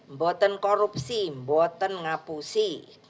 mboten korupsi mboten ngapusi